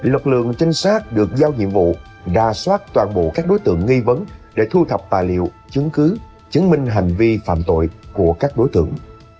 lực lượng trinh sát được giao nhiệm vụ đà soát toàn bộ các đối tượng nghi vấn để thu thập tài liệu chứng cứ chứng minh hành vi phạm tội của các đối tượng